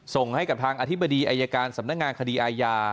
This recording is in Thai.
ส่งให้กับทางอธิบดีอายการสำนักงานคดีอาญา